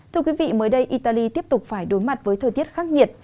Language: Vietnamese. thưa quý vị mới đây italy tiếp tục phải đối mặt với thời tiết khắc nghiệt